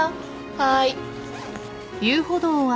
はい。